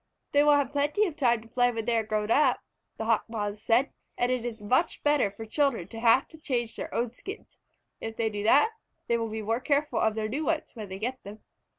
"They will have plenty of time to play when they are grown up," the Hawk Moths said, "and it is much better for children to have to change their own skins. If they do that, they will be more careful of their new ones, when they get them."